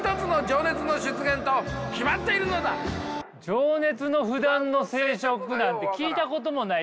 「情熱の不断の生殖」なんて聞いたこともないし。